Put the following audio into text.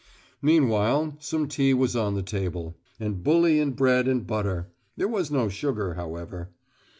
Meanwhile some tea was on the table, and bully and bread and butter; there was no sugar, however.